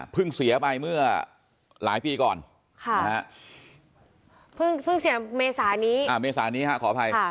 พึ่งเสียไปเมื่อหลายปีก่อนพึ่งเสียเมษานี้ขออภัย